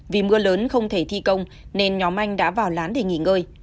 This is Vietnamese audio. vì mưa lớn không thể thi công nên nhóm anh đã vào lán để nghỉ ngơi